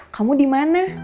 kamu di mana